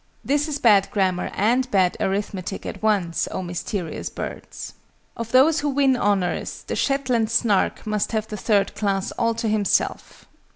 This is bad grammar and bad arithmetic at once, oh mysterious birds! Of those who win honours, THE SHETLAND SNARK must have the 3rd class all to himself.